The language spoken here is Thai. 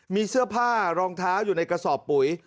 มีเสื้อผ้ารองเท้าอยู่ในกระสอบปุ๋ย